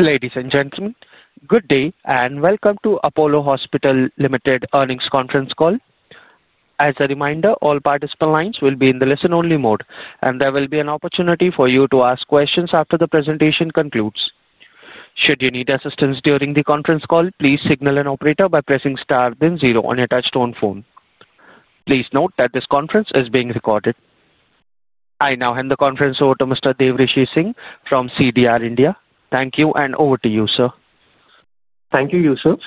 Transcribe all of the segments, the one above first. Ladies and gentlemen, good day and welcome to Apollo Hospitals Limited earnings conference call. As a reminder, all participant lines will be in the listen-only mode, and there will be an opportunity for you to ask questions after the presentation concludes. Should you need assistance during the conference call, please signal an operator by pressing star then zero on your touch-tone phone. Please note that this conference is being recorded. I now hand the conference over to Mr. Devrishi Singh from CDR India. Thank you, and over to you, sir. Thank you, Yusuf.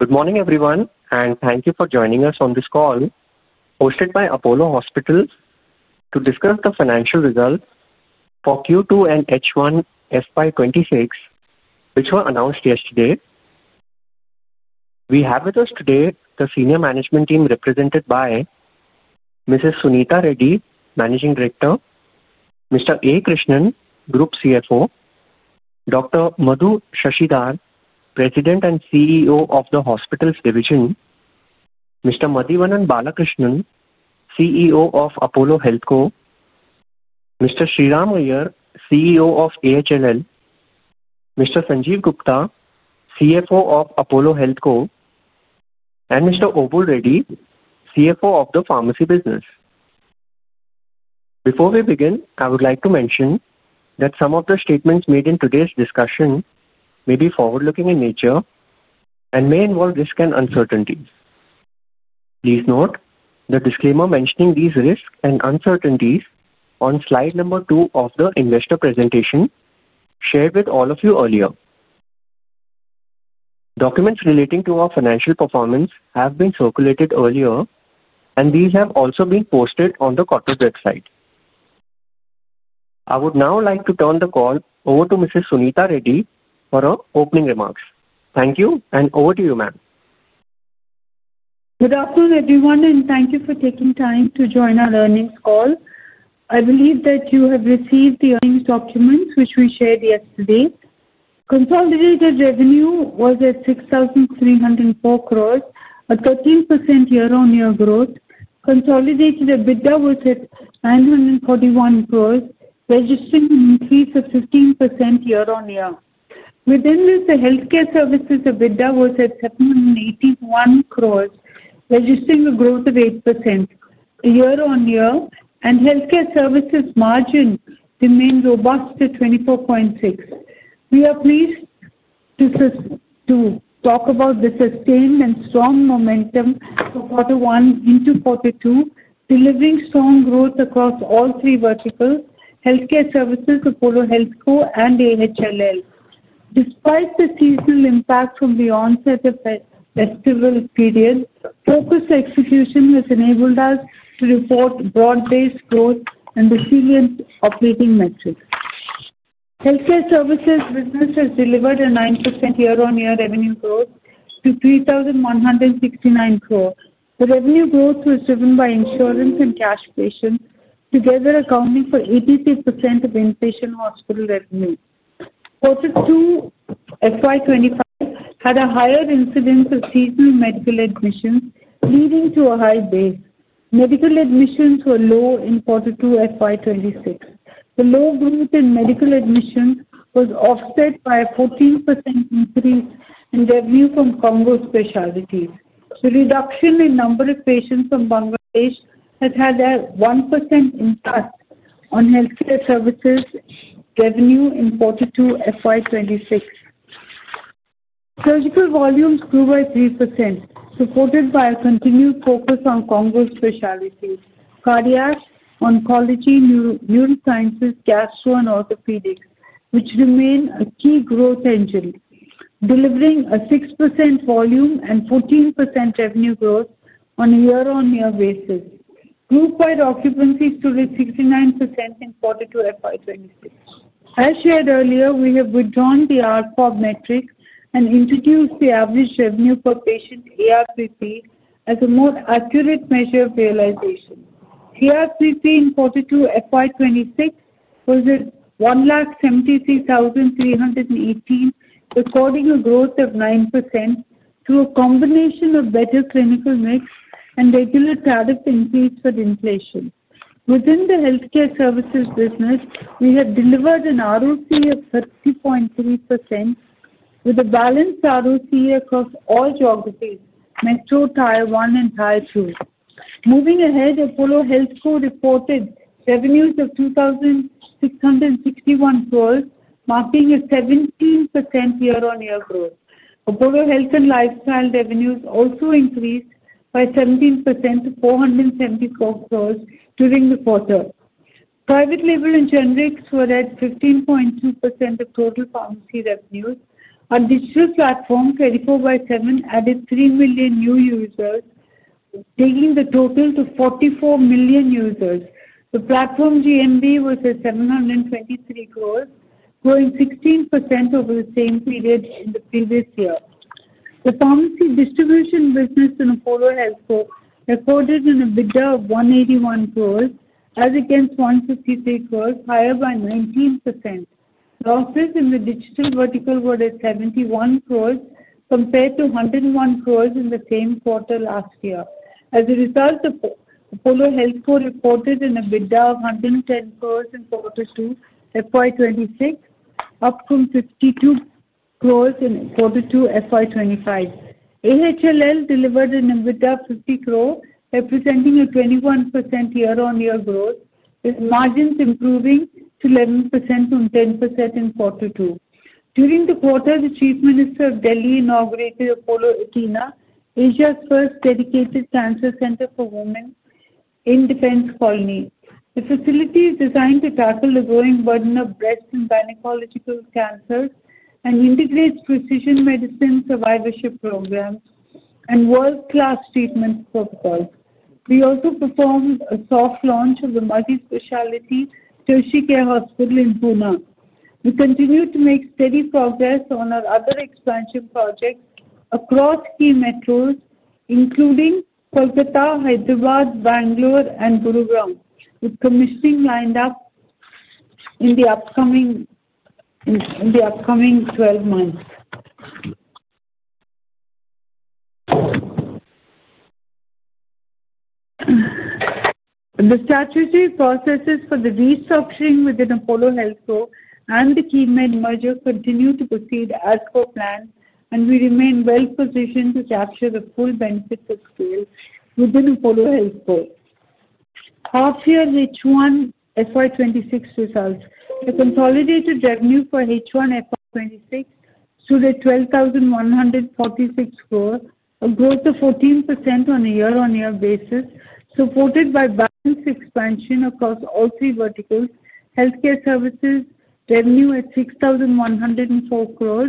Good morning, everyone, and thank you for joining us on this call. Hosted by Apollo Hospitals to discuss the financial results for Q2 and H1 FY 2026, which were announced yesterday. We have with us today the senior management team represented by Mrs. Suneeta Reddy, Managing Director, Mr. A. Krishnan, Group CFO, Dr. Madhu Sasidhar, President and CEO of the Hospitals Division, Mr. Madhivanan Balakrishnan, CEO of Apollo HealthCo, Mr. Sriram Iyer, CEO of AHLL, Mr. Sanjiv Gupta, CFO of Apollo HealthCo, and Mr. Obul Reddy, CFO of the pharmacy business. Before we begin, I would like to mention that some of the statements made in today's discussion may be forward-looking in nature and may involve risks and uncertainties. Please note the disclaimer mentioning these risks and uncertainties on slide number two of the investor presentation shared with all of you earlier. Documents relating to our financial performance have been circulated earlier, and these have also been posted on the corporate website. I would now like to turn the call over to Mrs. Suneeta Reddy for her opening remarks. Thank you, and over to you, ma'am. Good afternoon, everyone, and thank you for taking time to join our earnings call. I believe that you have received the earnings documents which we shared yesterday. Consolidated revenue was at 6,304 crore, a 13% year-on-year growth. Consolidated EBITDA was at 941 crore, registering an increase of 15% year-on-year. Within this, the healthcare services EBITDA was at 781 crore, registering a growth of 8% year-on-year, and healthcare services margin remained robust at 24.6%. We are pleased. To talk about the sustained and strong momentum for Q1 into Q2, delivering strong growth across all three verticals: healthcare services, Apollo HealthCo, and AHLL. Despite the seasonal impact from the onset of the festival period, focused execution has enabled us to report broad-based growth and resilient operating metrics. Healthcare services business has delivered a 9% year-on-year revenue growth to 3,169 crore. The revenue growth was driven by insurance and cash patients, together accounting for 83% of inpatient hospital revenue. Quarter two FY 2025 had a higher incidence of seasonal medical admissions, leading to a high base. Medical admissions were low in quarter two FY 2026. The low growth in medical admissions was offset by a 14% increase in revenue from CONGO specialties. The reduction in number of patients from Bangladesh has had a 1% impact on healthcare services revenue in quarter two FY 2026. Surgical volumes grew by 3%, supported by a continued focus on CONGO specialties: cardiac, oncology, neurosciences, gastro, and orthopedics, which remain a key growth engine, delivering a 6% volume and 14% revenue growth on a year-on-year basis. Group-wide occupancy stood at 69% in quarter two FY 2026. As shared earlier, we have withdrawn the ARPOB metric and introduced the average revenue per patient (ARPP) as a more accurate measure of realization. ARPP in quarter two FY 2026 was at 173,318, recording a growth of 9% through a combination of better clinical mix and regular tariff increase with inflation. Within the healthcare services business, we have delivered an ROC of 30.3%. With a balanced ROC across all geographies: Metro, Taiwan, and Taichung. Moving ahead, Apollo HealthCo reported revenues of 2,661 crore, marking a 17% year-on-year growth. Apollo Health and Lifestyle revenues also increased by 17% to 474 crore during the quarter. Private label and generics were at 15.2% of total pharmacy revenues. Our digital platform, Apollo 24/7, added 3 million new users. Taking the total to 44 million users. The platform GMV was at 723 crore, growing 16% over the same period in the previous year. The pharmacy distribution business in Apollo HealthCo recorded an EBITDA of 181 crore, as against 153 crore, higher by 19%. The offers in the digital vertical were at 71 crore, compared to 101 crore in the same quarter last year. As a result, Apollo HealthCo reported an EBITDA of 110 crore in quarter two FY 2026, up from 52 crore in quarter two FY 2025. AHLL delivered an EBITDA of 50 crore, representing a 21% year-on-year growth, with margins improving to 11% from 10% in quarter two. During the quarter, the Chief Minister of Delhi inaugurated Apollo Athenaa, Asia's first dedicated cancer center for women, in Defence Colony. The facility is designed to tackle the growing burden of breast and gynecological cancers and integrates precision medicine survivorship programs and world-class treatment protocols. We also performed a soft launch of the multi-specialty tertiary care hospital in Pune. We continue to make steady progress on our other expansion projects across key metros, including Kolkata, Hyderabad, Bangalore, and Gurugram, with commissioning lined up in the upcoming 12 months. The statutory processes for the restructuring within Apollo HealthCo and the KEIMED merger continue to proceed as per plan, and we remain well-positioned to capture the full benefits at scale within Apollo HealthCo. Half-year H1 FY 2026 results: the consolidated revenue for H1 FY 2026 stood at 12,146 crore, a growth of 14% on a year-on-year basis, supported by balanced expansion across all three verticals. Healthcare services revenue at 6,104 crore,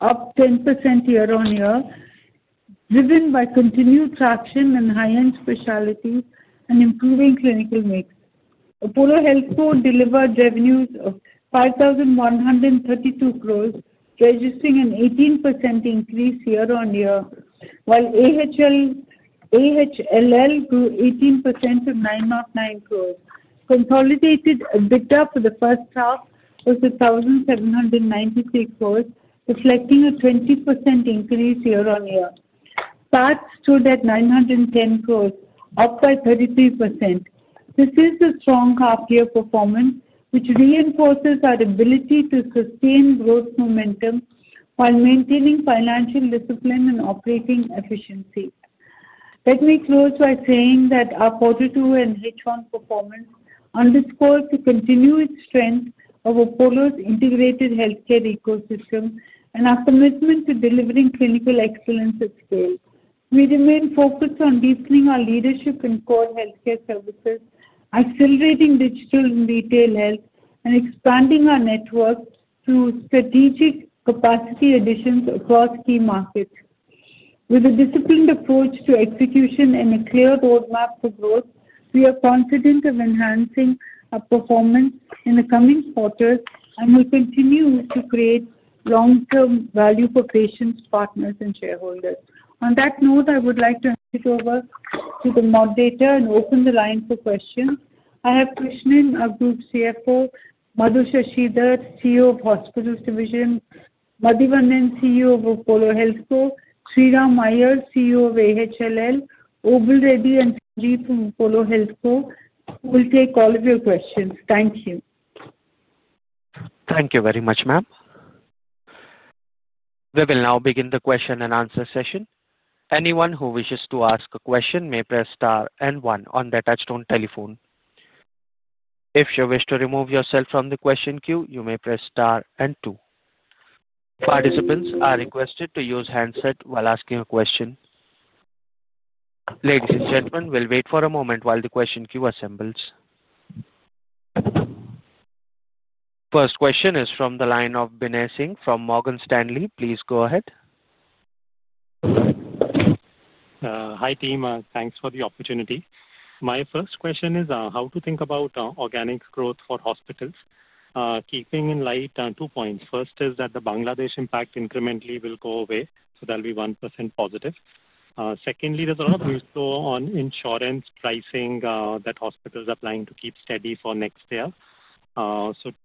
up 10% year-on-year. Driven by continued traction in high-end specialties and improving clinical mix. Apollo HealthCo delivered revenues of 5,132 crore, registering an 18% increase year-on-year, while AHLL grew 18% to 909 crore. Consolidated EBITDA for the first half was 1,793 crore, reflecting a 20% increase year-on-year. PAT stood at 910 crore, up by 33%. This is a strong half-year performance, which reinforces our ability to sustain growth momentum while maintaining financial discipline and operating efficiency. Let me close by saying that our quarter two and H1 performance underscore the continued strength of Apollo's integrated healthcare ecosystem and our commitment to delivering clinical excellence at scale. We remain focused on deepening our leadership in core healthcare services, accelerating digital and retail health, and expanding our network through strategic capacity additions across key markets. With a disciplined approach to execution and a clear roadmap for growth, we are confident of enhancing our performance in the coming quarters and will continue to create long-term value for patients, partners, and shareholders. On that note, I would like to hand it over to the moderator and open the line for questions. I have Krishnan, our Group CFO; Madhu Sasidhar, CEO of Hospitals Division; Madhivanan, CEO of Apollo HealthCo; Sriram Iyer, CEO of AHLL; Obul Reddy and Sanjiv from Apollo HealthCo. We'll take all of your questions. Thank you. Thank you very much, ma'am. We will now begin the question and answer session. Anyone who wishes to ask a question may press star and one on the touchstone telephone. If you wish to remove yourself from the question queue, you may press star and two. Participants are requested to use handset while asking a question. Ladies and gentlemen, we'll wait for a moment while the question queue assembles. First question is from the line of Binay Singh from Morgan Stanley. Please go ahead. Hi team, thanks for the opportunity. My first question is how to think about organic growth for hospitals, keeping in light two points. First is that the Bangladesh impact incrementally will go away, so that'll be 1%+. Secondly, there's a lot of news flow on insurance pricing that hospitals are planning to keep steady for next year.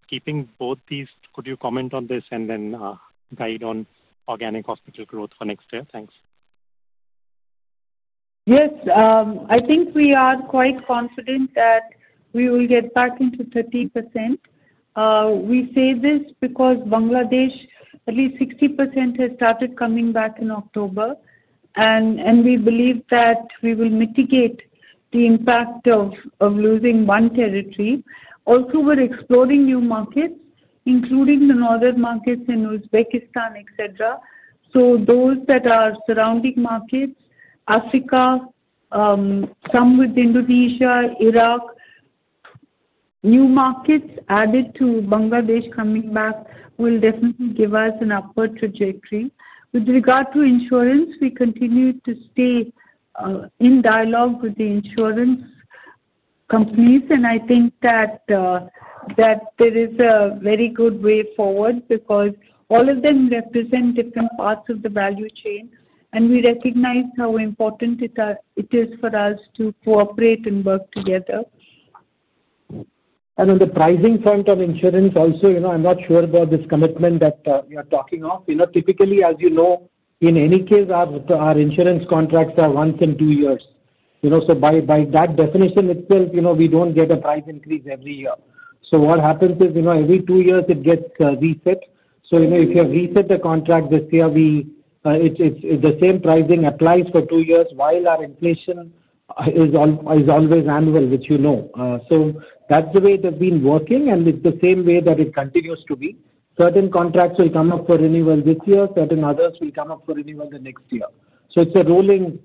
Keeping both these, could you comment on this and then guide on organic hospital growth for next year? Thanks. Yes, I think we are quite confident that we will get back into 30%. We say this because Bangladesh, at least 60%, has started coming back in October, and we believe that we will mitigate the impact of losing one territory. Also, we are exploring new markets, including the northern markets in Uzbekistan, et cetera. Those that are surrounding markets, Africa, some with Indonesia, Iraq. New markets added to Bangladesh coming back will definitely give us an upward trajectory. With regard to insurance, we continue to stay in dialogue with the insurance companies, and I think that there is a very good way forward because all of them represent different parts of the value chain, and we recognize how important it is for us to cooperate and work together. On the pricing front on insurance also, I'm not sure about this commitment that you're talking of. Typically, as you know, in any case, our insurance contracts are once in two years. By that definition itself, we don't get a price increase every year. What happens is every two years it gets reset. If you have reset the contract this year, the same pricing applies for two years while our inflation is always annual, which you know. That's the way it has been working, and it's the same way that it continues to be. Certain contracts will come up for renewal this year. Certain others will come up for renewal the next year. It's a rolling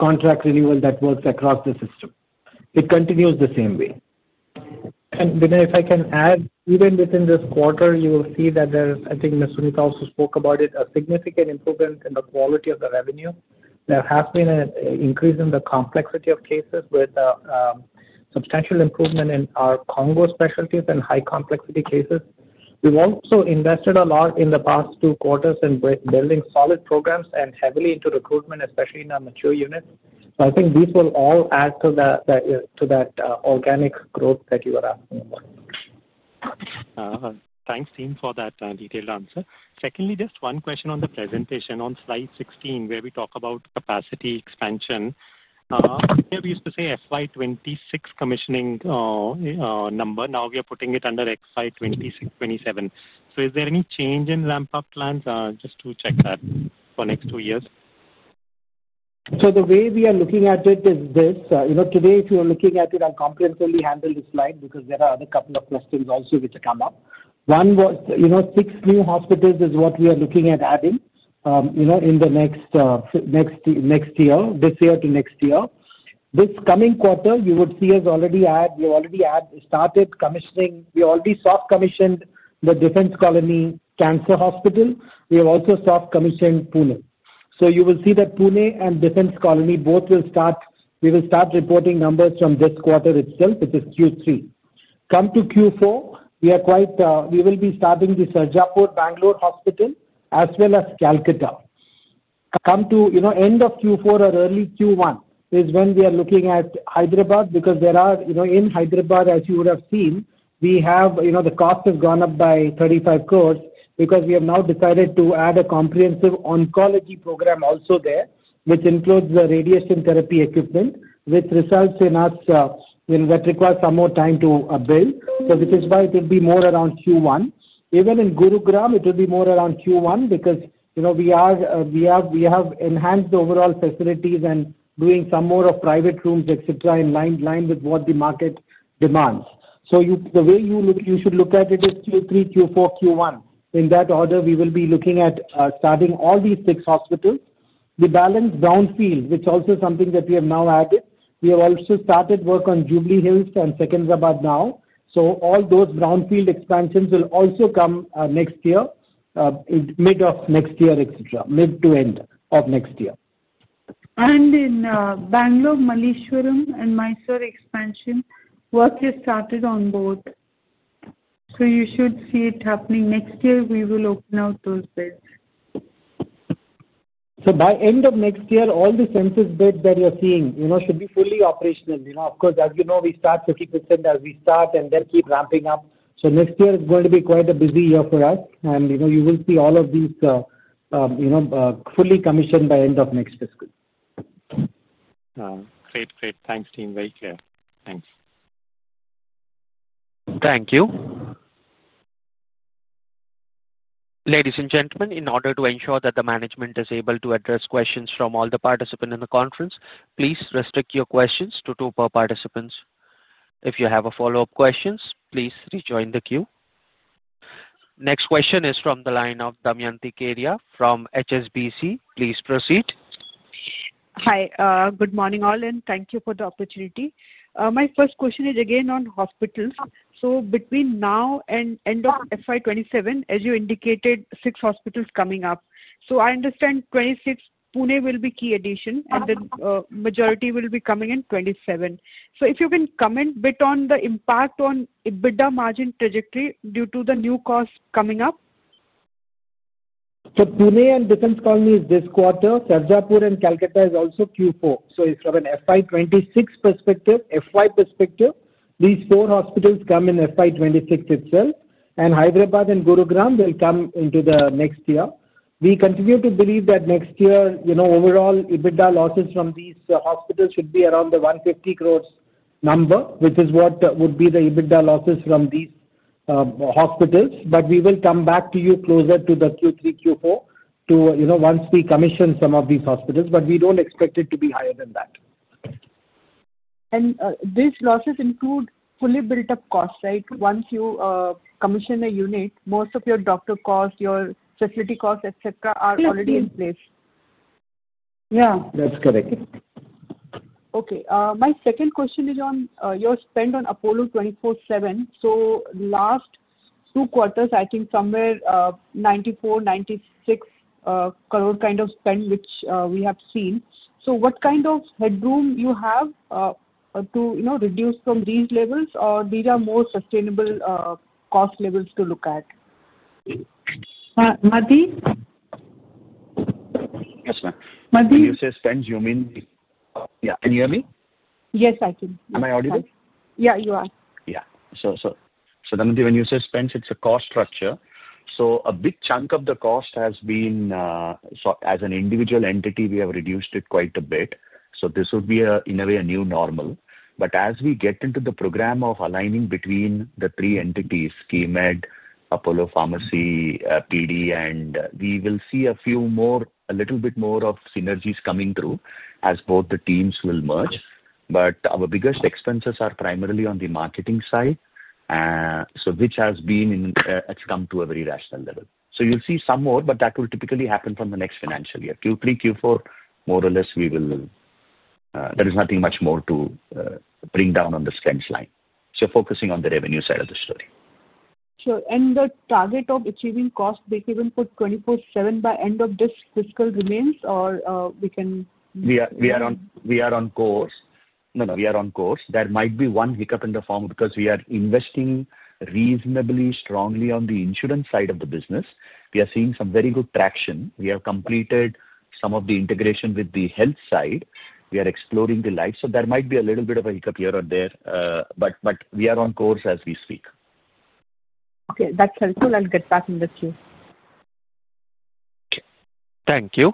contract renewal that works across the system. It continues the same way. Binay, if I can add, even within this quarter, you will see that there is, I think Mrs. Suneeta also spoke about it, a significant improvement in the quality of the revenue. There has been an increase in the complexity of cases with substantial improvement in our onco specialties and high-complexity cases. We have also invested a lot in the past two quarters in building solid programs and heavily into recruitment, especially in our mature units. I think these will all add to that organic growth that you are asking about. Thanks, team, for that detailed answer. Secondly, just one question on the presentation on slide 16, where we talk about capacity expansion. Here we used to say FY 2026 commissioning number. Now we are putting it under FY 2026-2027. Is there any change in ramp-up plans? Just to check that for next two years. The way we are looking at it is this. Today, if you are looking at it, I'll comprehensively handle this slide because there are a couple of questions also which have come up. One was six new hospitals is what we are looking at adding. In the next year, this year to next year. This coming quarter, you would see us already started commissioning. We already soft commissioned the Defence Colony cancer hospital. We have also soft commissioned Pune. You will see that Pune and Defence Colony both will start. We will start reporting numbers from this quarter itself, which is Q3. Come to Q4, we will be starting the Sarjapur, Bangalore hospital as well as Kolkata. Come to end of Q4 or early Q1 is when we are looking at Hyderabad because there are in Hyderabad, as you would have seen, we have the cost has gone up by 35 crore because we have now decided to add a comprehensive oncology program also there, which includes the radiation therapy equipment, which results in us. That requires some more time to build. This is why it will be more around Q1. Even in Gurugram, it will be more around Q1 because we have enhanced overall facilities and doing some more of private rooms, et cetera, in line with what the market demands. The way you should look at it is Q3, Q4, Q1. In that order, we will be looking at starting all these six hospitals. The balance brownfield, which is also something that we have now added, we have also started work on Jubilee Hills and seconds about now. So all those brownfield expansions will also come next year, mid of next year, et cetera, mid to end of next year. In Bangalore, Malleswaram and Mysore expansion work is started on both. You should see it happening next year. We will open out those bids. By end of next year, all the census bids that you're seeing should be fully operational. Of course, as you know, we start 50% as we start and then keep ramping up. Next year is going to be quite a busy year for us, and you will see all of these fully commissioned by end of next fiscal. Great, great. Thanks, team. Very clear. Thanks. Thank you. Ladies and gentlemen, in order to ensure that the management is able to address questions from all the participants in the conference, please restrict your questions to two per participant. If you have follow-up questions, please rejoin the queue. Next question is from the line of Damayanti Kerai from HSBC. Please proceed. Hi, good morning all, and thank you for the opportunity. My first question is again on hospitals. Between now and end of FY 2027, as you indicated, six hospitals coming up. I understand 2026 Pune will be key addition, and the majority will be coming in 2027. If you can comment a bit on the impact on EBITDA margin trajectory due to the new costs coming up. Pune and Defence Colony is this quarter. Sarjapur and Kolkata is also Q4. From an FY 2026 perspective, these four hospitals come in FY 2026 itself, and Hyderabad and Gurugram will come into the next year. We continue to believe that next year, overall EBITDA losses from these hospitals should be around the 150 crore number, which is what would be the EBITDA losses from these hospitals. We will come back to you closer to Q3, Q4 once we commission some of these hospitals, but we do not expect it to be higher than that. These losses include fully built-up costs, right? Once you commission a unit, most of your doctor costs, your facility costs, et cetera, are already in place. Yeah, that's correct. Okay. My second question is on your spend on Apollo 24/7. Last two quarters, I think somewhere 94 crore, 96 crore kind of spend, which we have seen. What kind of headroom do you have to reduce from these levels, or these are more sustainable cost levels to look at? Madhi. Yes, ma'am. Madhi. When you say spend, you mean. Yeah, can you hear me? Yes, I can. Am I audible? Yeah, you are. Yeah. Damyanti, when you say spend, it's a cost structure. A big chunk of the cost has been. As an individual entity, we have reduced it quite a bit. This would be, in a way, a new normal. As we get into the program of aligning between the three entities, KEIMED, Apollo Pharmacy, PD, we will see a little bit more of synergies coming through as both the teams will merge. Our biggest expenses are primarily on the marketing side, which has come to a very rational level. You'll see some more, but that will typically happen from the next financial year. Q3, Q4, more or less, there is nothing much more to bring down on the spend line. Focusing on the revenue side of the story. Sure. The target of achieving cost, they've even put 24/7 by end of this fiscal remains, or we can? We are on course. No, no, we are on course. There might be one hiccup in the form because we are investing reasonably strongly on the insurance side of the business. We are seeing some very good traction. We have completed some of the integration with the health side. We are exploring the life. So there might be a little bit of a hiccup here or there, but we are on course as we speak. Okay. That's helpful. I'll get back in the queue. Okay. Thank you.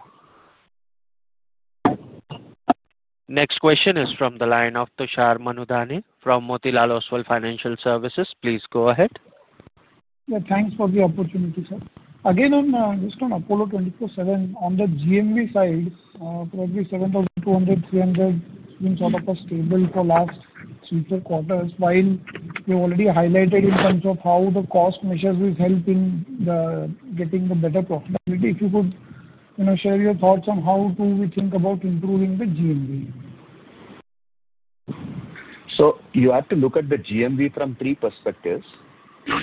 Next question is from the line of Tushar Manudhane from Motilal Oswal Financial Services. Please go ahead. Yeah, thanks for the opportunity, sir. Again, just on Apollo 24/7, on the GMV side, probably 7,200 crore-7,300 crore seems out of a stable for last three or four quarters. While you already highlighted in terms of how the cost measures is helping. Getting a better profitability, if you could share your thoughts on how do we think about improving the GMV. You have to look at the GMV from three perspectives.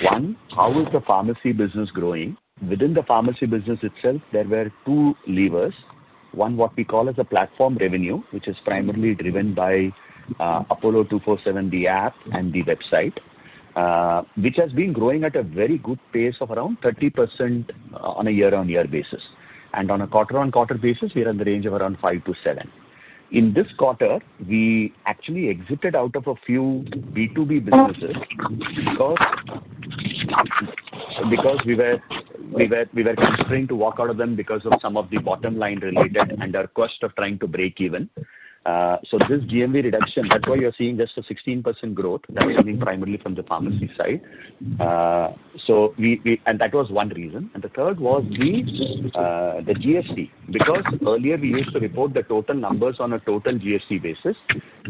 One, how is the pharmacy business growing? Within the pharmacy business itself, there were two levers. One, what we call as a platform revenue, which is primarily driven by Apollo 24/7, the app and the website, which has been growing at a very good pace of around 30% on a year-on-year basis. On a quarter-on-quarter basis, we are in the range of around 5%-7%. In this quarter, we actually exited out of a few B2B businesses because we were constrained to walk out of them because of some of the bottom line related and our quest of trying to break even. This GMV reduction, that is why you are seeing just a 16% growth. That is coming primarily from the pharmacy side. That was one reason. The third was the GST. Because earlier, we used to report the total numbers on a total GST basis,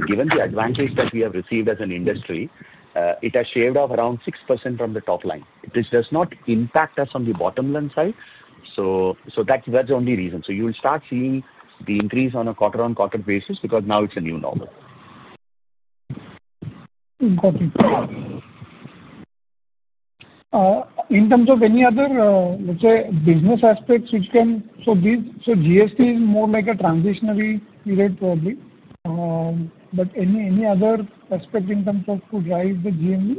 given the advantage that we have received as an industry, it has shaved off around 6% from the top line. This does not impact us on the bottom line side. That is the only reason. You will start seeing the increase on a quarter-on-quarter basis because now it is a new normal. Okay. In terms of any other, let's say, business aspects, which can, so GST is more like a transitionary period, probably. Any other aspect in terms of to drive the GMV?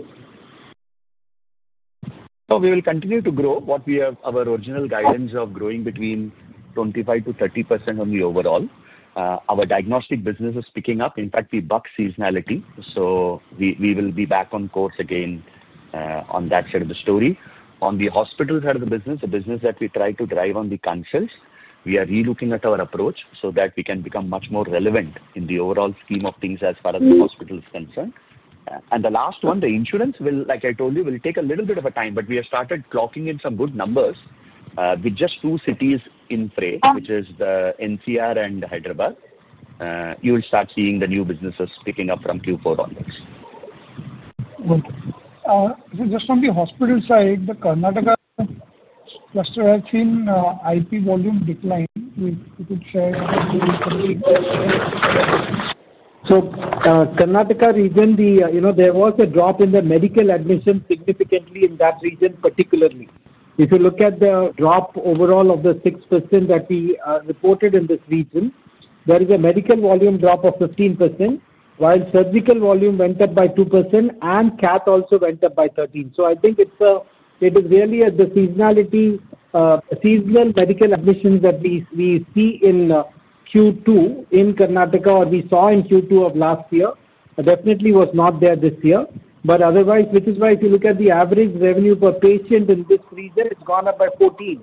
We will continue to grow what we have, our original guidance of growing between 25%-30% on the overall. Our diagnostic business is picking up. In fact, we buck seasonality. We will be back on course again on that side of the story. On the hospital side of the business, the business that we try to drive on the consults, we are re-looking at our approach so that we can become much more relevant in the overall scheme of things as far as the hospital is concerned. The last one, the insurance, like I told you, will take a little bit of time. We have started clocking in some good numbers with just two cities in play, which is NCR and Hyderabad. You will start seeing the new businesses picking up from Q4 onwards. Okay. So just from the hospital side, the Karnataka cluster has seen IP volume decline. If you could share a bit. Karnataka region, there was a drop in the medical admission significantly in that region, particularly. If you look at the drop overall of the 6% that we reported in this region, there is a medical volume drop of 15%, while surgical volume went up by 2%, and cath also went up by 13%. I think it is really a seasonality. Seasonal medical admissions that we see in Q2 in Karnataka, or we saw in Q2 of last year, definitely was not there this year. Otherwise, which is why if you look at the average revenue per patient in this region, it has gone up by 14%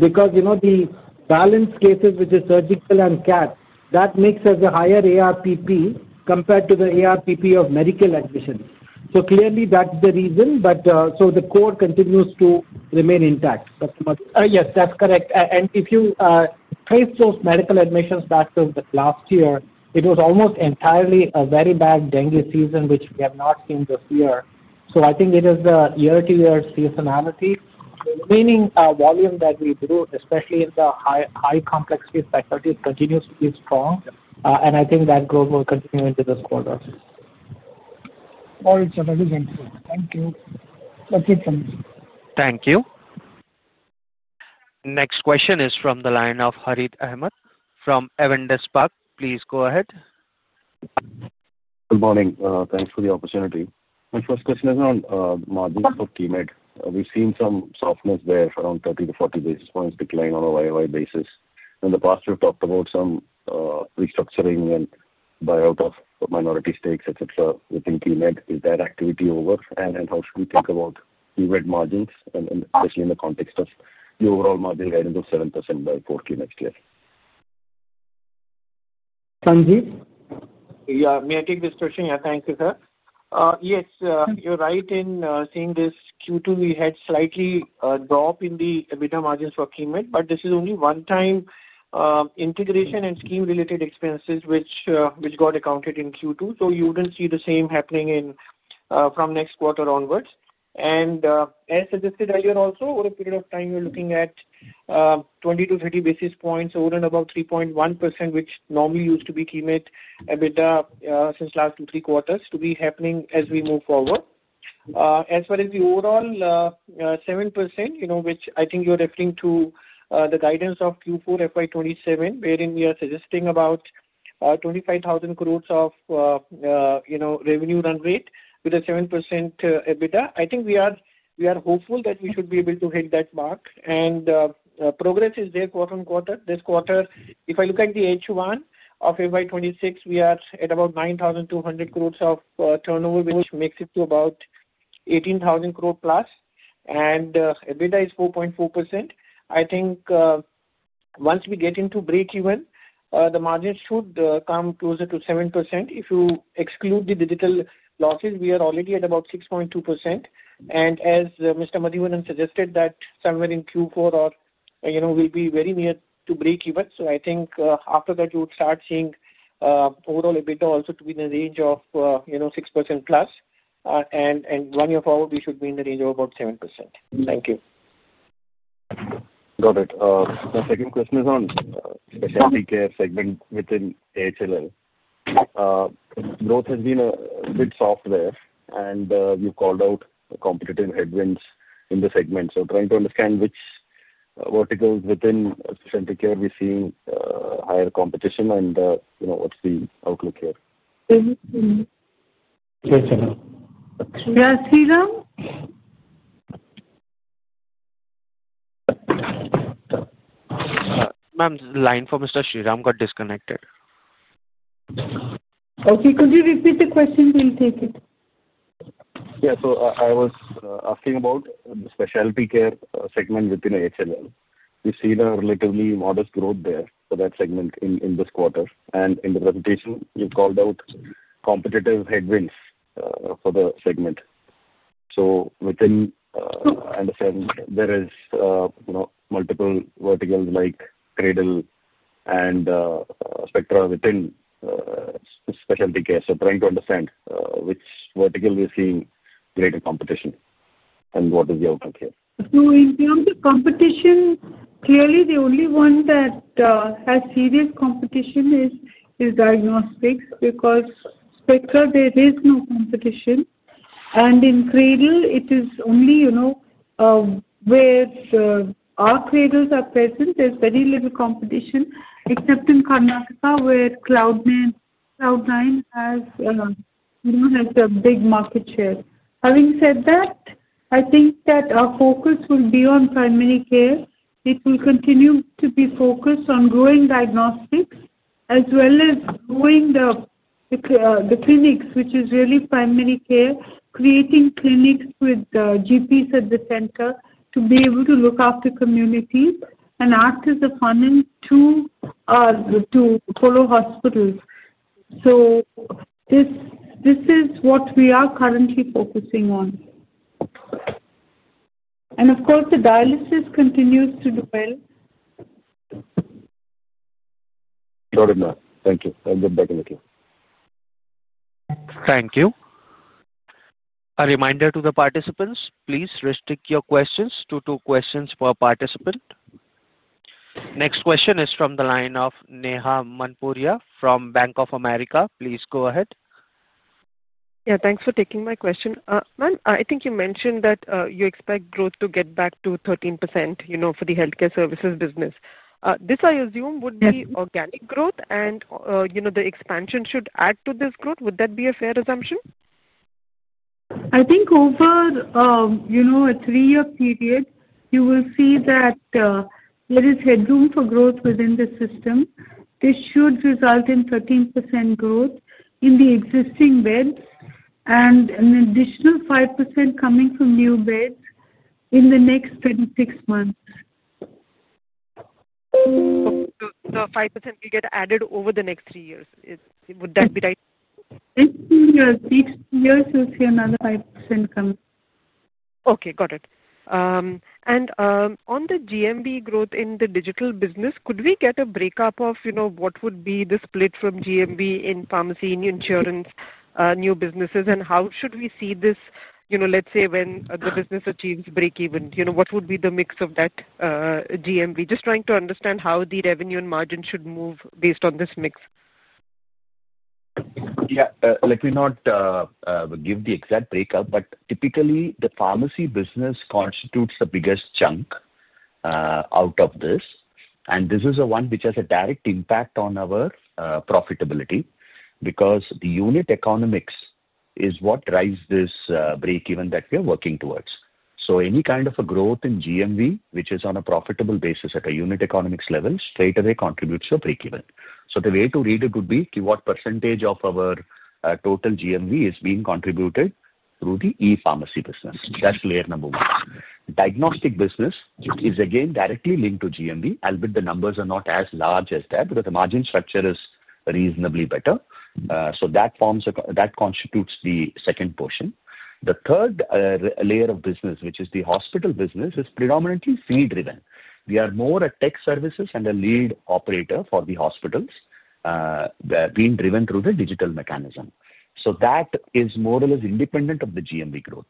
because the balance cases, which is surgical and cath, that makes us a higher ARPP compared to the ARPP of medical admissions. Clearly, that is the reason. The core continues to remain intact. Yes, that is correct. If you trace those medical admissions back to last year, it was almost entirely a very bad dengue season, which we have not seen this year. I think it is the year-to-year seasonality. The remaining volume that we grew, especially in the high-complexity facilities, continues to be strong. I think that growth will continue into this quarter. All right, sir. That is helpful. Thank you. That's it from me. Thank you. Next question is from the line of Harith Ahamed from Avendus Spark. Please go ahead. Good morning. Thanks for the opportunity. My first question is on Madhu for KEIMED. We've seen some softness there for around 30 basis points-40 basis points decline on a year-on-year basis. In the past, we've talked about some restructuring and buyout of minority stakes, et cetera. Within KEIMED, is that activity over? How should we think about KEIMED margins, especially in the context of the overall margin guidance of 7% by Q4 next year? Sanjiv? Yeah. May I take this question? Yeah, thank you, sir. Yes, you're right in seeing this Q2, we had slightly a drop in the EBITDA margins for KEIMED, but this is only one-time. Integration and scheme-related expenses which got accounted in Q2. You would not see the same happening from next quarter onwards. As suggested earlier, also over a period of time, we're looking at 20 basis points-30 basis points over and above 3.1%, which normally used to be KEIMED EBITDA since last two, three quarters to be happening as we move forward. As far as the overall 7%, which I think you're referring to the guidance of Q4 FY 2027, wherein we are suggesting about 25,000 crore of revenue run rate with a 7% EBITDA, I think we are hopeful that we should be able to hit that mark. Progress is there quarter-on-quarter. This quarter, if I look at the H1 of FY 2026, we are at about 9,200 crore of turnover, which makes it to about 18,000 crore+. EBITDA is 4.4%. I think once we get into break even, the margin should come closer to 7%. If you exclude the digital losses, we are already at about 6.2%. As Mr. Madhivanan suggested, somewhere in Q4, we will be very near to break even. I think after that, you would start seeing overall EBITDA also to be in the range of 6%+. One year forward, we should be in the range of about 7%. Thank you. Got it. My second question is on specialty care segment within AHLL. Growth has been a bit soft there, and you called out competitive headwinds in the segment. Trying to understand which verticals within specialty care we're seeing higher competition and what's the outlook here. Yes, sir. Yeah, Sriram? Ma'am, the line for Mr. Sriram got disconnected. Okay. Could you repeat the question? We'll take it. Yeah. I was asking about the specialty care segment within AHLL. We've seen a relatively modest growth there for that segment in this quarter. In the presentation, you called out competitive headwinds for the segment. Within, I understand there are multiple verticals like Cradle and Spectra within specialty care. I'm trying to understand which vertical we're seeing greater competition and what is the outlook here. In terms of competition, clearly, the only one that has serious competition is diagnostics because Spectra, there is no competition. In Cradle, it is only where our Cradles are present. There is very little competition, except in Karnataka, where Cloudnine has a big market share. Having said that, I think that our focus will be on primary care. It will continue to be focused on growing diagnostics as well as growing the clinics, which is really primary care, creating clinics with GPs at the center to be able to look after communities and act as a funding to follow hospitals. This is what we are currently focusing on. Of course, the dialysis continues to do well. Sure enough. Thank you. I'll get back in queue. Thank you. A reminder to the participants, please restrict your questions to two questions per participant. Next question is from the line of Neha Manpuria from Bank of America. Please go ahead. Yeah. Thanks for taking my question. Ma'am, I think you mentioned that you expect growth to get back to 13% for the healthcare services business. This, I assume, would be organic growth, and the expansion should add to this growth. Would that be a fair assumption? I think over a three-year period, you will see that there is headroom for growth within the system. This should result in 13% growth in the existing beds and an additional 5% coming from new beds in the next 26 months. The 5% will get added over the next three years. Would that be right? Next two years, six years, you'll see another 5% come. Okay. Got it. On the GMV growth in the digital business, could we get a breakup of what would be the split from GMV in pharmacy, in insurance, new businesses? How should we see this, let's say, when the business achieves break even? What would be the mix of that GMV? Just trying to understand how the revenue and margin should move based on this mix. Yeah. Let me not give the exact breakup, but typically, the pharmacy business constitutes the biggest chunk out of this. And this is the one which has a direct impact on our profitability because the unit economics is what drives this break even that we are working towards. Any kind of a growth in GMV, which is on a profitable basis at a unit economics level, straight away contributes to a break even. The way to read it would be what percentage of our total GMV is being contributed through the e-pharmacy business. That's layer number one. Diagnostic business is, again, directly linked to GMV, albeit the numbers are not as large as that, but the margin structure is reasonably better. That constitutes the second portion. The third layer of business, which is the hospital business, is predominantly fee-driven. We are more a tech services and a lead operator for the hospitals, being driven through the digital mechanism. That is more or less independent of the GMV growth.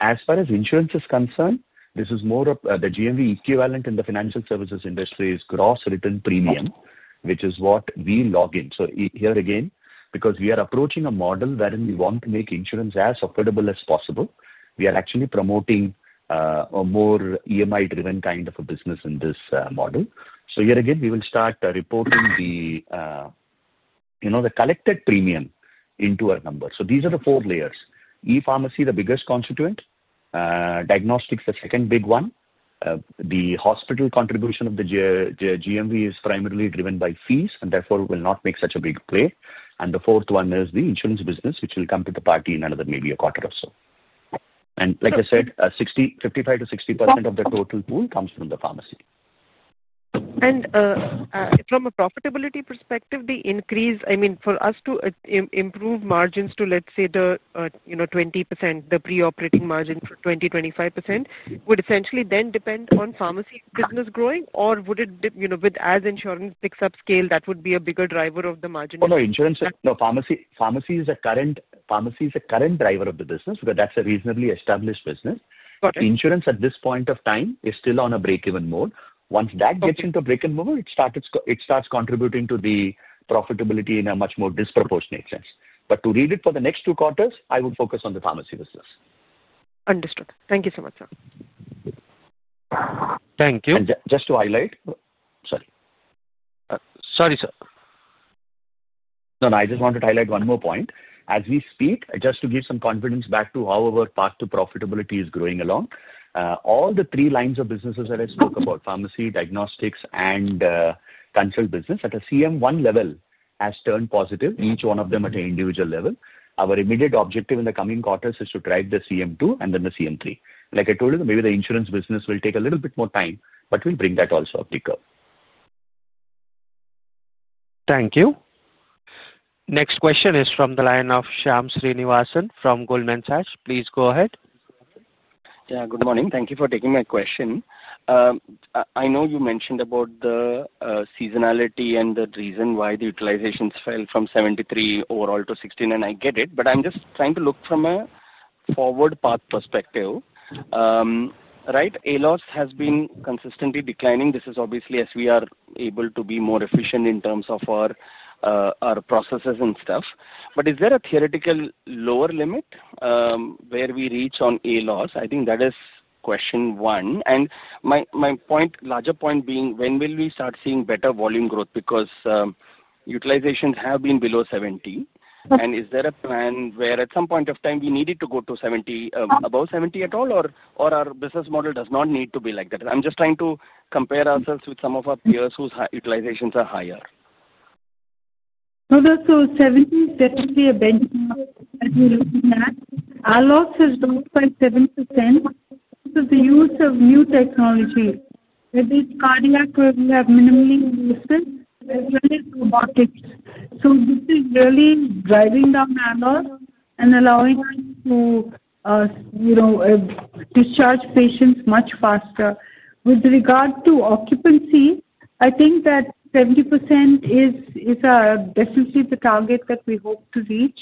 As far as insurance is concerned, this is more of the GMV equivalent in the financial services industry, is gross return premium, which is what we log in. Here again, because we are approaching a model wherein we want to make insurance as affordable as possible, we are actually promoting a more EMI-driven kind of a business in this model. Here again, we will start reporting the collected premium into our numbers. These are the four layers: e-pharmacy, the biggest constituent; diagnostics, the second big one; the hospital contribution of the GMV is primarily driven by fees, and therefore, we will not make such a big play. The fourth one is the insurance business, which will come to the party in another maybe a quarter or so. Like I said, 55%-60% of the total pool comes from the pharmacy. From a profitability perspective, the increase, I mean, for us to improve margins to, let's say, the 20%, the pre-operating margin for 20%-25%, would essentially then depend on pharmacy business growing, or would it, as insurance picks up scale, that would be a bigger driver of the margin? Oh, no. No. Pharmacy is a current driver of the business because that's a reasonably established business. Insurance, at this point of time, is still on a break-even mode. Once that gets into break-even mode, it starts contributing to the profitability in a much more disproportionate sense. To read it for the next two quarters, I would focus on the pharmacy business. Understood. Thank you so much, sir. Thank you. Just to highlight, sorry. Sorry, sir. No, no. I just wanted to highlight one more point. As we speak, just to give some confidence back to how our path to profitability is growing along, all the three lines of businesses that I spoke about, pharmacy, diagnostics, and consult business, at a CM1 level, has turned positive, each one of them at an individual level. Our immediate objective in the coming quarters is to drive the CM2 and then the CM3. Like I told you, maybe the insurance business will take a little bit more time, but we'll bring that also up the curve. Thank you. Next question is from the line of Shyam Srinivasan from Goldman Sachs. Please go ahead. Yeah. Good morning. Thank you for taking my question. I know you mentioned about the seasonality and the reason why the utilizations fell from 73 overall to 16, and I get it. I am just trying to look from a forward path perspective. Right? ALOS has been consistently declining. This is obviously as we are able to be more efficient in terms of our processes and stuff. Is there a theoretical lower limit where we reach on ALOS? I think that is question one. My larger point being, when will we start seeing better volume growth? Because utilizations have been below 70. Is there a plan where at some point of time, we need it to go to 70, above 70 at all, or our business model does not need to be like that? I'm just trying to compare ourselves with some of our peers whose utilizations are higher. Seventy is definitely a benchmark that we're looking at. ALOS has dropped by 7%. This is the use of new technology, whether it's cardiac where we have minimally invested, as well as robotics. This is really driving down ALOS and allowing us to discharge patients much faster. With regard to occupancy, I think that 70% is definitely the target that we hope to reach.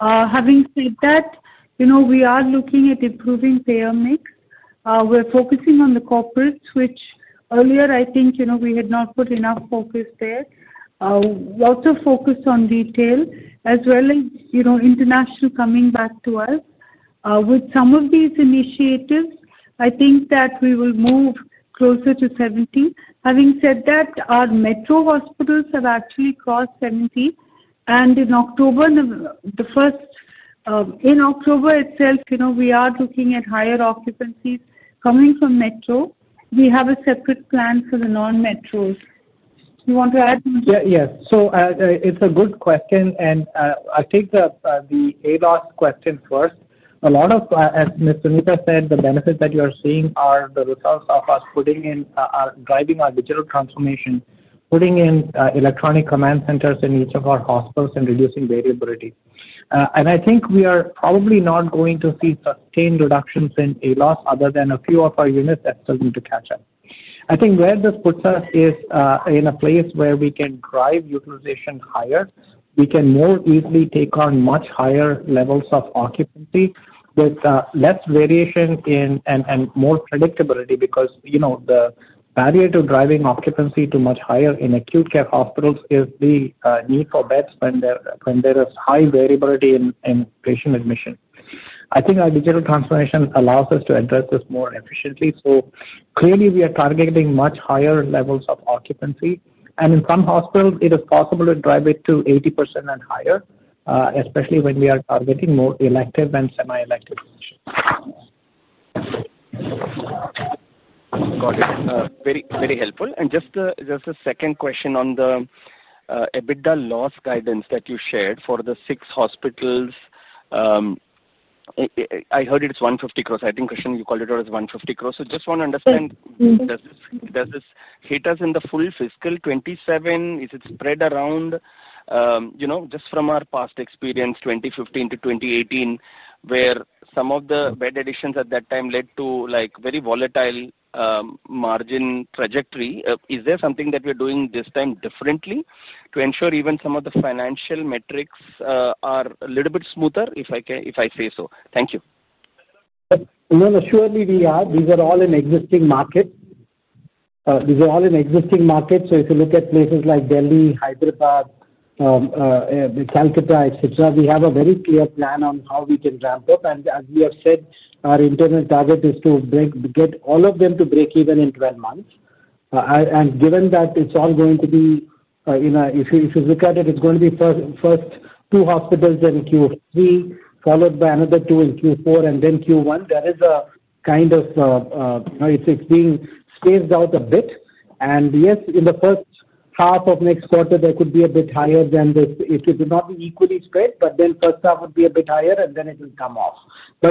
Having said that, we are looking at improving payer mix. We're focusing on the corporates, which earlier, I think we had not put enough focus there. Lots of focus on retail, as well as international coming back to us. With some of these initiatives, I think that we will move closer to 70%. Having said that, our metro hospitals have actually crossed 70%. In October itself, we are looking at higher occupancies coming from metro. We have a separate plan for the non-metros. Do you want to add something? Yes. It is a good question. I will take the ALOS question first. A lot of, as Ms. Suneeta said, the benefits that you are seeing are the results of us putting in, driving our digital transformation, putting in electronic command centers in each of our hospitals, and reducing variability. I think we are probably not going to see sustained reductions in ALOS other than a few of our units that still need to catch up. I think where this puts us is in a place where we can drive utilization higher. We can more easily take on much higher levels of occupancy with less variation and more predictability because the barrier to driving occupancy to much higher in acute care hospitals is the need for beds when there is high variability in patient admission. I think our digital transformation allows us to address this more efficiently. Clearly, we are targeting much higher levels of occupancy. In some hospitals, it is possible to drive it to 80% and higher, especially when we are targeting more elective and semi-elective patients. Got it. Very helpful. Just a second question on the EBITDA loss guidance that you shared for the six hospitals. I heard it's 150 crore. I think, Krishnan, you called it out as 150 crore. Just want to understand, does this hit us in the full fiscal 2027? Is it spread around? Just from our past experience 2015 to 2018, where some of the bed additions at that time led to very volatile margin trajectory, is there something that we're doing this time differently to ensure even some of the financial metrics are a little bit smoother, if I say so? Thank you. No, no. Surely we are. These are all in existing markets. These are all in existing markets. If you look at places like Delhi, Hyderabad, Kolkata, etc., we have a very clear plan on how we can ramp up. As we have said, our internal target is to get all of them to break even in 12 months. Given that it's all going to be in a, if you look at it, it's going to be first two hospitals in Q3, followed by another two in Q4, and then Q1. That is a kind of, it's being spaced out a bit. Yes, in the first half of next quarter, there could be a bit higher than this. It will not be equally spread, but then first half would be a bit higher, and then it will come off.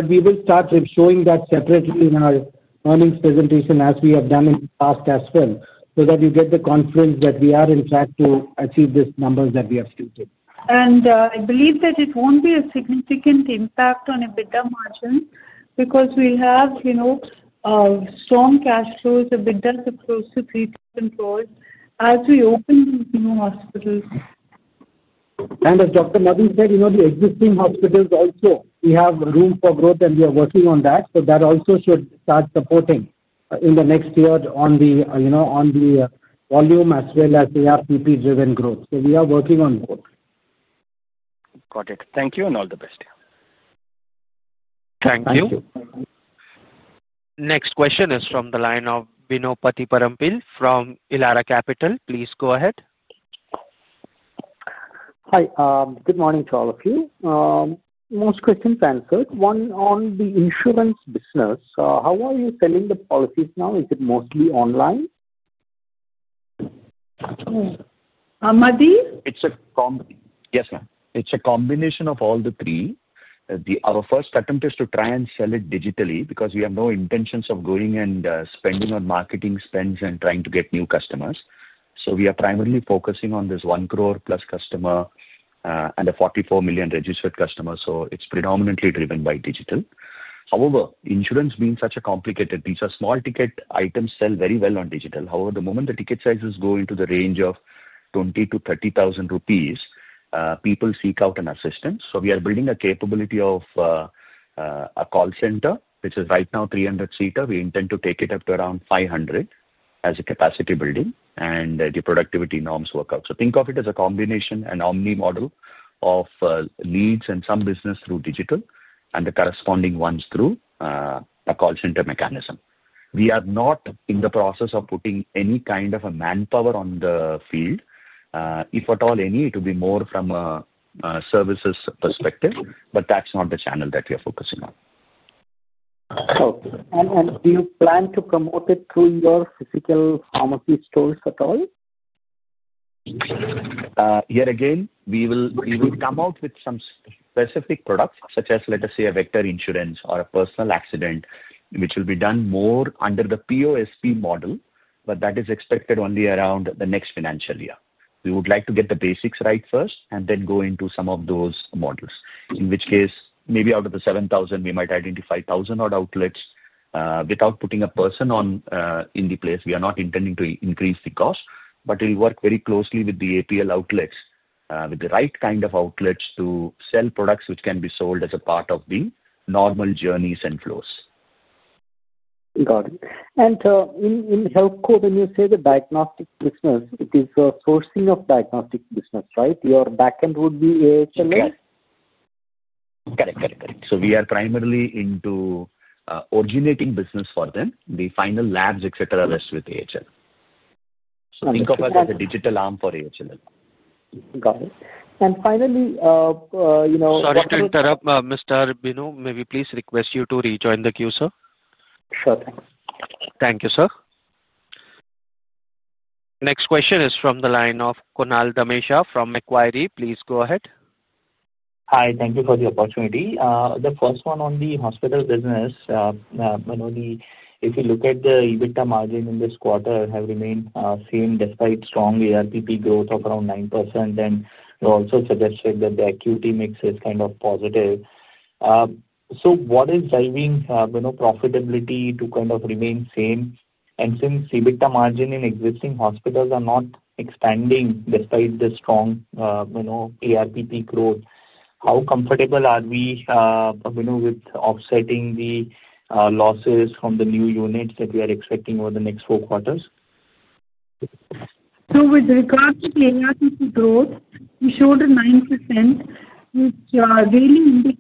We will start showing that separately in our earnings presentation as we have done in the past as well so that you get the confidence that we are on track to achieve these numbers that we have stated. I believe that it won't be a significant impact on EBITDA margin because we'll have strong cash flows, EBITDA to close to 3% growth as we open these new hospitals. As Dr. Madhu said, the existing hospitals also, we have room for growth, and we are working on that. That also should start supporting in the next year on the volume as well as the RPP-driven growth. We are working on both. Got it. Thank you and all the best. Thank you. Thank you. Next question is from the line of Bino Pathiparampil from Elara Capital. Please go ahead. Hi. Good morning to all of you. Most questions answered. One on the insurance business. How are you selling the policies now? Is it mostly online? Madhi? It's a combination. Yes, ma'am. It's a combination of all the three. Our first attempt is to try and sell it digitally because we have no intentions of going and spending on marketing spends and trying to get new customers. We are primarily focusing on this one crore plus customer and a 44 million registered customer. It's predominantly driven by digital. However, insurance being such a complicated, these are small ticket items sell very well on digital. However, the moment the ticket sizes go into the range of 20,000-30,000 rupees, people seek out an assistance. We are building a capability of a call center, which is right now 300-seater. We intend to take it up to around 500 as a capacity building, and the productivity norms work out. Think of it as a combination, an omni model of. Leads and some business through digital and the corresponding ones through a call center mechanism. We are not in the process of putting any kind of a manpower on the field. If at all any, it would be more from a services perspective, but that's not the channel that we are focusing on. Do you plan to promote it through your physical pharmacy stores at all? Yet again, we will come out with some specific products, such as, let us say, a vector insurance or a personal accident, which will be done more under the POSP model, but that is expected only around the next financial year. We would like to get the basics right first and then go into some of those models, in which case, maybe out of the 7,000, we might identify 1,000 odd outlets. Without putting a person in the place, we are not intending to increase the cost, but we'll work very closely with the APL outlets, with the right kind of outlets to sell products which can be sold as a part of the normal journeys and flows. Got it. In HealthCo, when you say the diagnostic business, it is sourcing of diagnostic business, right? Your backend would be AHLL? Yes. Got it. Got it. Got it. We are primarily into originating business for them. The final labs, etc., rest with AHLL. Think of us as a digital arm for AHLL. Got it. And finally. Sorry to interrupt, Mr. Bino. May we please request you to rejoin the queue, sir? Sure. Thanks. Thank you, sir. Next question is from the line of Kunal Damesha from Macquarie. Please go ahead. Hi. Thank you for the opportunity. The first one on the hospital business. If you look at the EBITDA margin in this quarter, it has remained same despite strong ARPP growth of around 9%. We also suggested that the acuity mix is kind of positive. What is driving profitability to kind of remain same? Since EBITDA margin in existing hospitals are not expanding despite the strong ARPP growth, how comfortable are we with offsetting the losses from the new units that we are expecting over the next four quarters? With regard to the ARPP growth, we showed a 9%. Which really indicates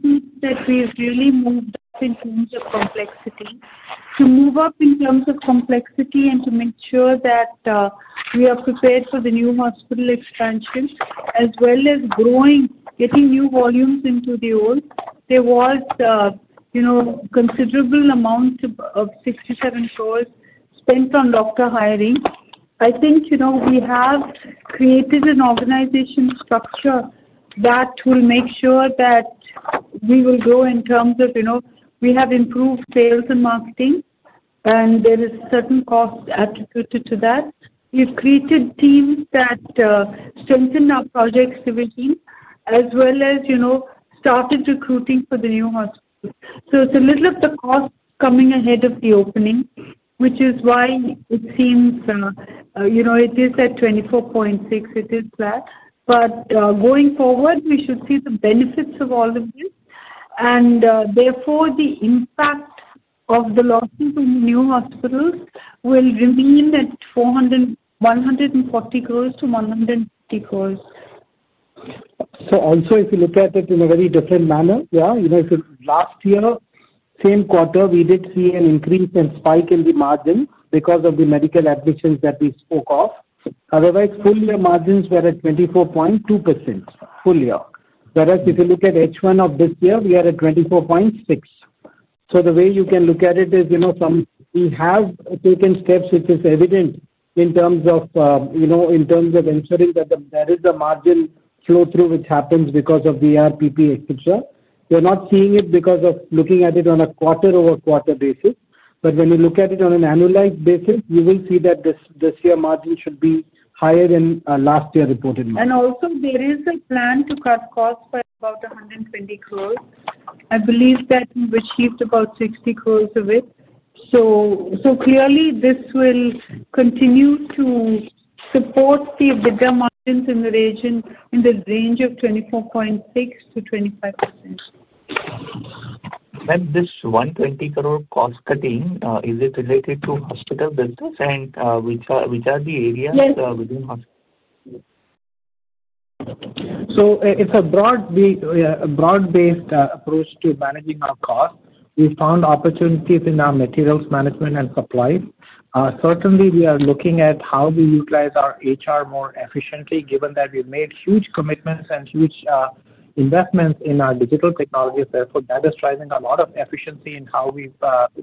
that we've really moved up in terms of complexity. To move up in terms of complexity and to make sure that we are prepared for the new hospital expansion, as well as growing, getting new volumes into the old, there was a considerable amount of 67 crore spent on doctor hiring. I think we have created an organization structure that will make sure that we will grow in terms of we have improved sales and marketing, and there is certain costs attributed to that. We've created teams that strengthened our project civic team, as well as started recruiting for the new hospitals. It's a little of the cost coming ahead of the opening, which is why it seems it is at 24.6. It is flat. Going forward, we should see the benefits of all of this. Therefore, the impact of the losses in the new hospitals will remain at 140 crore-150 crore. Also, if you look at it in a very different manner, yeah, if last year, same quarter, we did see an increase and spike in the margin because of the medical admissions that we spoke of. However, full-year margins were at 24.2% full year. Whereas if you look at H1 of this year, we are at 24.6%. The way you can look at it is, we have taken steps, which is evident in terms of ensuring that there is a margin flow-through which happens because of the ARPP, etc. We're not seeing it because of looking at it on a quarter-over-quarter basis. When you look at it on an annualized basis, you will see that this year margin should be higher than last year reported margin. There is a plan to cut costs by about 120 crore. I believe that we have achieved about 60 crore of it. Clearly, this will continue to support the EBITDA margins in the range of 24.6%-25%. This 120 crore cost cutting, is it related to hospital business and which are the areas within hospital? Yes. It's a broad-based approach to managing our costs. We found opportunities in our materials management and supplies. Certainly, we are looking at how we utilize our HR more efficiently, given that we've made huge commitments and huge investments in our digital technologies. Therefore, that is driving a lot of efficiency in how we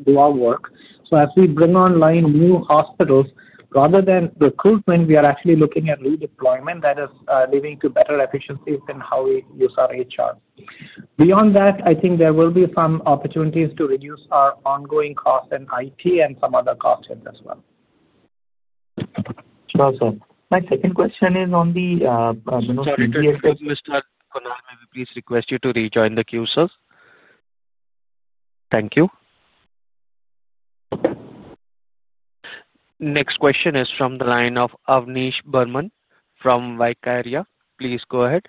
do our work. As we bring online new hospitals, rather than recruitment, we are actually looking at redeployment that is leading to better efficiencies in how we use our HR. Beyond that, I think there will be some opportunities to reduce our ongoing costs in IT and some other costs as well. Sure, sir. My second question is on the. Sorry to interrupt, Mr. Kunal. May we please request you to rejoin the queue, sir? Thank you. Next question is from the line of Avnish Burman from Vaikarya. Please go ahead.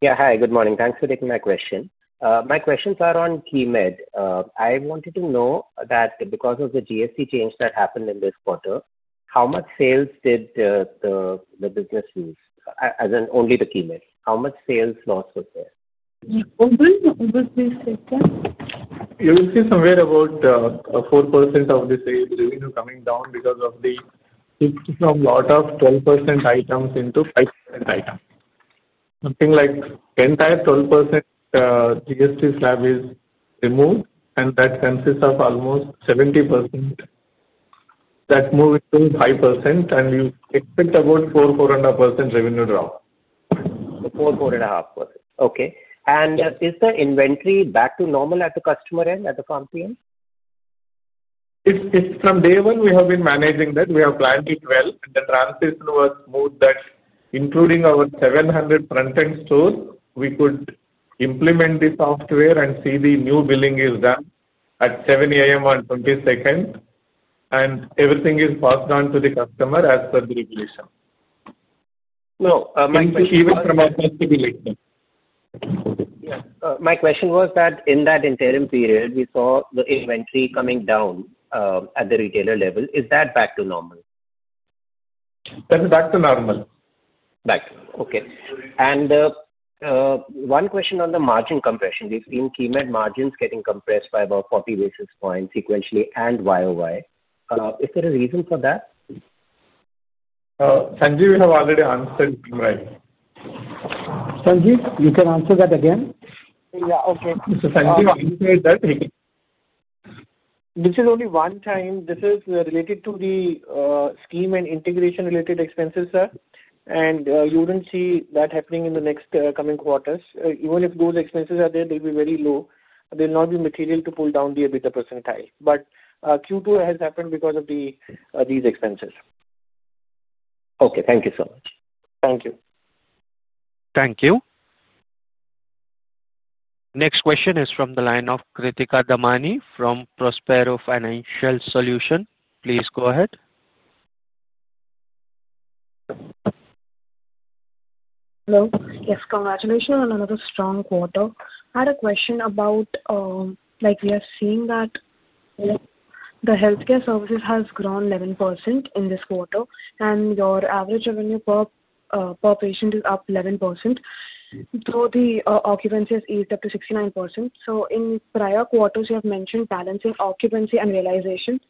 Yeah. Hi. Good morning. Thanks for taking my question. My questions are on KEIMED. I wanted to know that because of the GST change that happened in this quarter, how much sales did the business lose? As in only the KEIMED. How much sales loss was there? Over the three sectors. You will see somewhere about 4% of the sales revenue coming down because of the shift from a lot of 12% items into 5% items. Something like 10%, 12%. GST slab is removed, and that consists of almost 70%. That moved to 5%, and we expect about 4%-4.5% revenue drop. So 4%-4.5%. Okay. Is the inventory back to normal at the customer end, at the pharmacy end? From day one, we have been managing that. We have planned it well. The transition was smooth that including our 700 front-end stores, we could implement the software and see the new billing is done at 7:00 A.M. on 22nd. Everything is passed on to the customer as per the regulation. No. Even from our possibility. Yeah. My question was that in that interim period, we saw the inventory coming down. At the retailer level. Is that back to normal? That's back to normal. Back to normal. Okay. One question on the margin compression. We've seen KEIMED margins getting compressed by about 40 basis points sequentially and YOY. Is there a reason for that? Sanjiv, you have already answered it right. Sanjiv, you can answer that again. Yeah. Okay. Sanjiv, you said that. This is only one time. This is related to the scheme and integration-related expenses, sir. You would not see that happening in the next coming quarters. Even if those expenses are there, they will be very low. They will not be material to pull down the EBITDA percentile. Q2 has happened because of these expenses. Okay. Thank you so much. Thank you. Thank you. Next question is from the line of Kritika Damani from Prospera Financial Solutions. Please go ahead. Hello. Yes. Congratulations on another strong quarter. I had a question about. We are seeing that the healthcare services has grown 11% in this quarter, and your average revenue per patient is up 11%. Though the occupancy has eased up to 69%. In prior quarters, you have mentioned balancing occupancy and realization.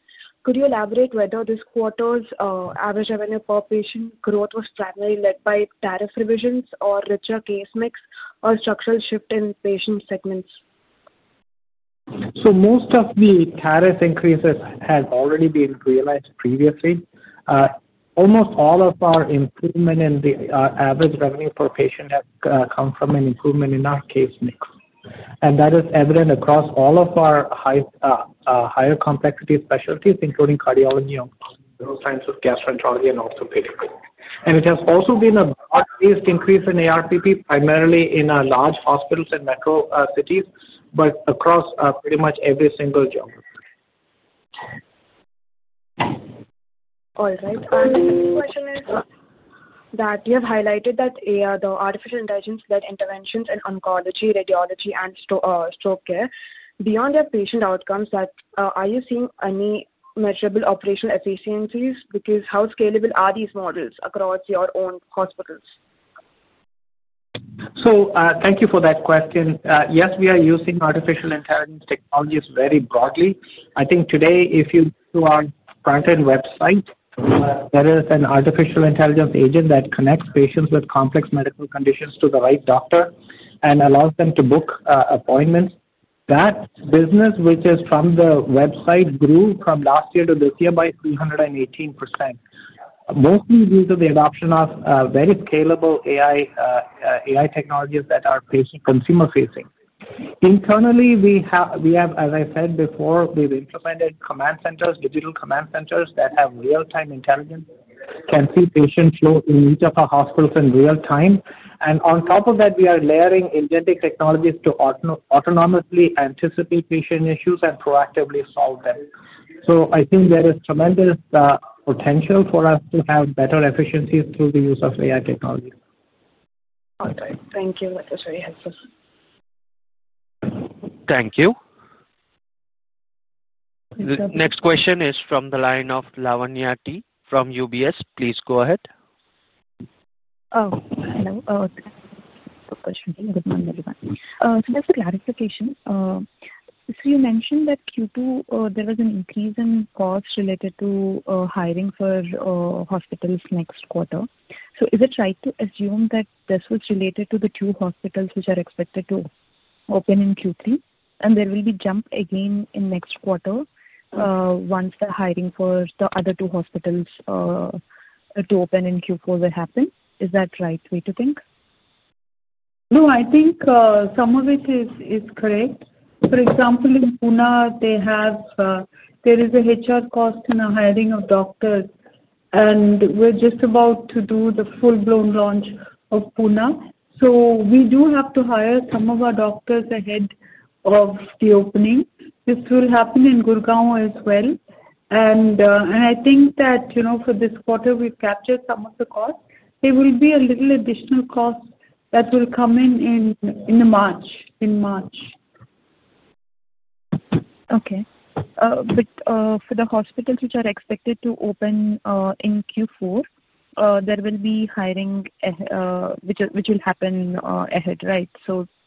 Could you elaborate whether this quarter's average revenue per patient growth was primarily led by tariff revisions or richer case mix or structural shift in patient segments? Most of the tariff increases have already been realized previously. Almost all of our improvement in the average revenue per patient has come from an improvement in our case mix. That is evident across all of our higher complexity specialties, including cardiology, gastroenterology, and orthopedics. It has also been a broad-based increase in ARPP, primarily in large hospitals and metro cities, but across pretty much every single job. All right. My next question is, that you have highlighted that the artificial intelligence-led interventions in oncology, radiology, and stroke care, beyond their patient outcomes, are you seeing any measurable operational efficiencies? Because how scalable are these models across your own hospitals? Thank you for that question. Yes, we are using artificial intelligence technologies very broadly. I think today, if you go to our front-end website, there is an artificial intelligence agent that connects patients with complex medical conditions to the right doctor and allows them to book appointments. That business, which is from the website, grew from last year to this year by 318%. Mostly due to the adoption of very scalable AI. Technologies that are patient-consumer-facing. Internally, we have, as I said before, we've implemented command centers, digital command centers that have real-time intelligence, can see patient flow in each of our hospitals in real time. On top of that, we are layering inventive technologies to autonomously anticipate patient issues and proactively solve them. I think there is tremendous potential for us to have better efficiencies through the use of AI technologies. All right. Thank you. That was very helpful. Thank you. Next question is from the line of Lavanya T. from UBS. Please go ahead. Hello. Good morning, everyone. Just a clarification. You mentioned that Q2, there was an increase in costs related to hiring for hospitals next quarter. Is it right to assume that this was related to the two hospitals which are expected to open in Q3, and there will be a jump again in next quarter once the hiring for the other two hospitals to open in Q4 will happen? Is that the right way to think? No, I think some of it is correct. For example, in Pune, there is a HR cost in the hiring of doctors, and we are just about to do the full-blown launch of Pune. We do have to hire some of our doctors ahead of the opening. This will happen in Gurugram as well. I think that for this quarter, we have captured some of the costs. There will be a little additional cost that will come in in March. Okay. For the hospitals which are expected to open in Q4, there will be hiring which will happen ahead, right?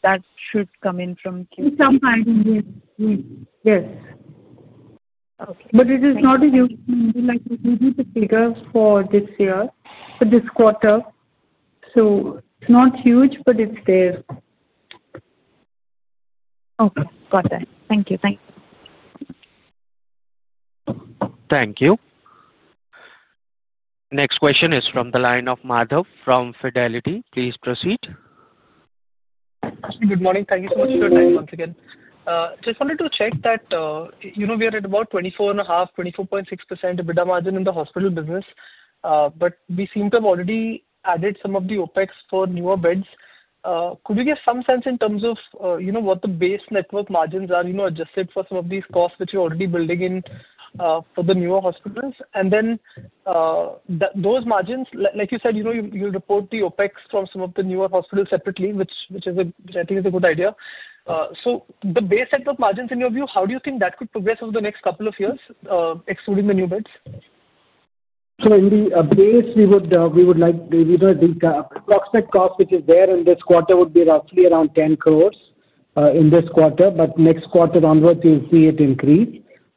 That should come in from Q3. Yes. It is not a huge number like we need to figure for this year, for this quarter. It is not huge, but it is there. Okay. Got it. Thank you. Thanks. Thank you. Next question is from the line of Madhav from Fidelity. Please proceed. Good morning. Thank you so much for your time once again. Just wanted to check that we are at about 24.5%-24.6% EBITDA margin in the hospital business. We seem to have already added some of the OpEx for newer beds. Could you give some sense in terms of what the base network margins are adjusted for some of these costs which you're already building in for the newer hospitals? Those margins, like you said, you'll report the OpEx from some of the newer hospitals separately, which I think is a good idea. The base network margins in your view, how do you think that could progress over the next couple of years, excluding the new beds? In the base, we would like, approximate cost, which is there in this quarter, would be roughly around 10 crore in this quarter. Next quarter onwards, you'll see it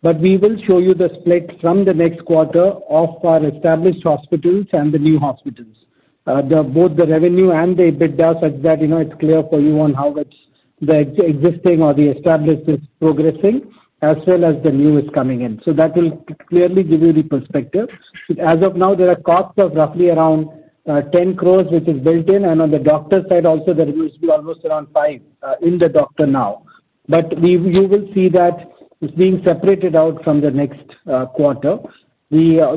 increase. We will show you the split from the next quarter of our established hospitals and the new hospitals, both the revenue and the EBITDA, such that it's clear for you on how much the existing or the established is progressing, as well as the new is coming in. That will clearly give you the perspective. As of now, there are costs of roughly around 10 crore, which is built in. On the doctor side also, there will be almost around 5 crore in the doctor now. You will see that it's being separated out from the next quarter. We are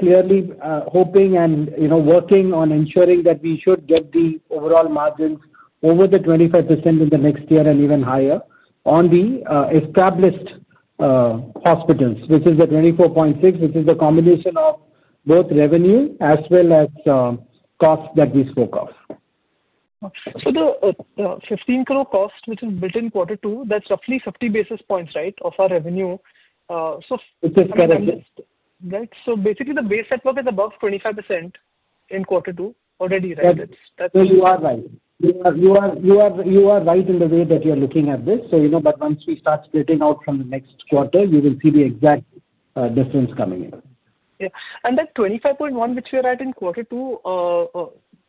clearly hoping and working on ensuring that we should get the overall margins over 25% in the next year and even higher on the established hospitals, which is the 24.6%, which is the combination of both revenue as well as costs that we spoke of. The 15 crore cost, which is built in quarter two, that's roughly 50 basis points, right, of our revenue. It's correct. Right? Basically, the base network is above 25% in quarter two already, right? You are right. You are right in the way that you're looking at this. But once we start splitting out from the next quarter, you will see the exact difference coming in. Yeah. That 25.1%, which we are at in quarter two,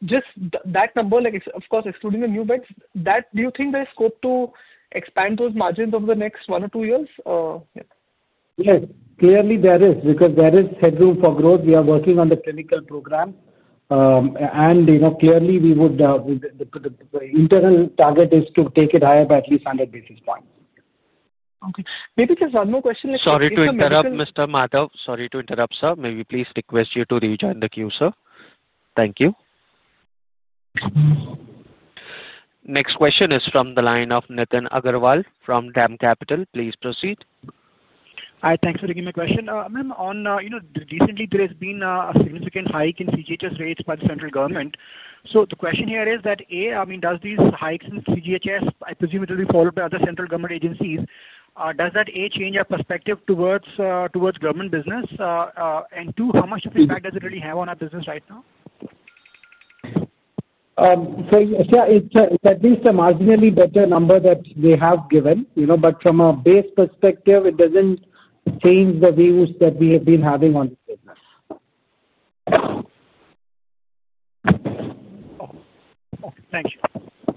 just that number, of course, excluding the new beds, do you think there is scope to expand those margins over the next one or two years? Yes. Clearly, there is because there is headroom for growth. We are working on the clinical program. Clearly, we would. The internal target is to take it higher by at least 100 basis points. Okay. Maybe just one more question. Sorry to interrupt, Mr. Madhav. Sorry to interrupt, sir. May we please request you to rejoin the queue, sir? Thank you. Next question is from the line of Nitin Agarwal from DAM Capital. Please proceed. Hi. Thanks for taking my question. Ma'am, recently, there has been a significant hike in CGHS rates by the central government. The question here is that, A, I mean, does these hikes in CGHS, I presume it will be followed by other central government agencies, does that, A, change our perspective towards government business? And two, how much of an impact does it really have on our business right now? Yeah, it's at least a marginally better number that they have given. From a base perspective, it doesn't change the views that we have been having on the business. Okay. Thank you.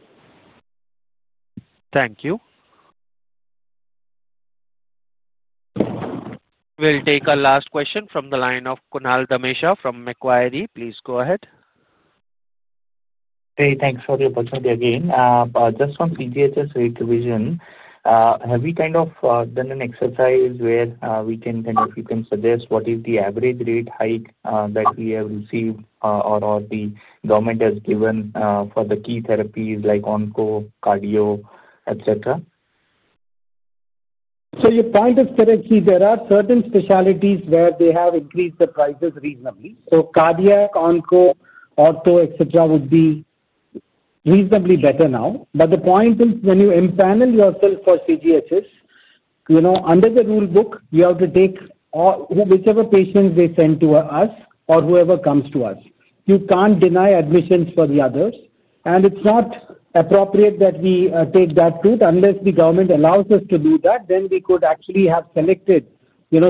Thank you. We'll take a last question from the line of Kunal Dhamesha from Macquarie. Please go ahead. Hey, thanks for the opportunity again. Just on CGHS rate revision, have we kind of done an exercise where we can kind of suggest what is the average rate hike that we have received or the government has given for the key therapies like onco, cardio, etc.? Your point is correct. See, there are certain specialties where they have increased the prices reasonably. Cardiac, onco, ortho, etc., would be reasonably better now. The point is, when you empanel yourself for CGHS, under the rule book, you have to take whichever patients they send to us or whoever comes to us. You cannot deny admissions for the others. It is not appropriate that we take that route unless the government allows us to do that. We could actually have selected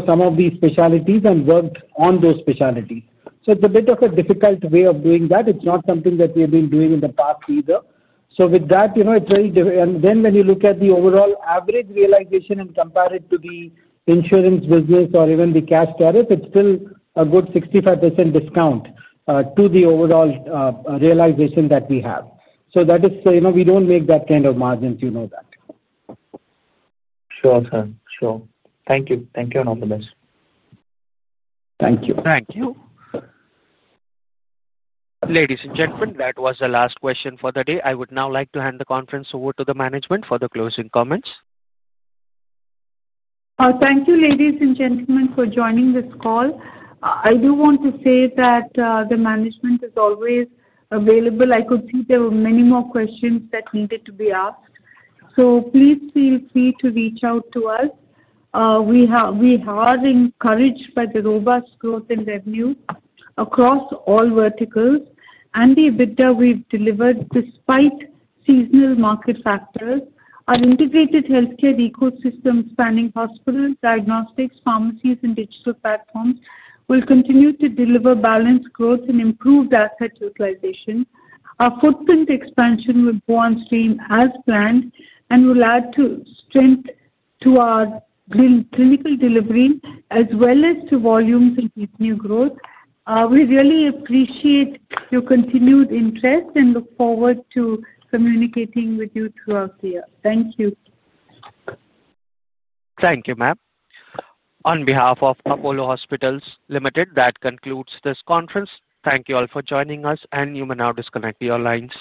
some of these specialties and worked on those specialties. It is a bit of a difficult way of doing that. It is not something that we have been doing in the past either. With that, it is very different. When you look at the overall average realization and compare it to the insurance business or even the cash tariff, it's still a good 65% discount to the overall realization that we have. So we don't make that kind of margins, you know that. Sure, sir. Sure. Thank you. Thank you enormously. Thank you. Thank you. Ladies and gentlemen, that was the last question for the day. I would now like to hand the conference over to the management for the closing comments. Thank you, ladies and gentlemen, for joining this call. I do want to say that the management is always available. I could see there were many more questions that needed to be asked. Please feel free to reach out to us. We are encouraged by the robust growth in revenue across all verticals. The EBITDA we have delivered, despite seasonal market factors, our integrated healthcare ecosystem spanning hospitals, diagnostics, pharmacies, and digital platforms will continue to deliver balanced growth and improved asset utilization. Our footprint expansion will go on stream as planned and will add strength to our clinical delivery as well as to volumes and revenue growth. We really appreciate your continued interest and look forward to communicating with you throughout the year. Thank you. Thank you, ma'am. On behalf of Apollo Hospitals Limited, that concludes this conference. Thank you all for joining us, and you may now disconnect your lines.